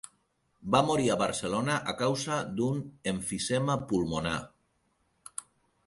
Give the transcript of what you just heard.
Va morir a Barcelona a causa d'un emfisema pulmonar.